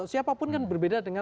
siapapun kan berbeda dengan